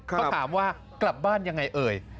เขาถามว่ากลับบ้านยังไงเอ่ย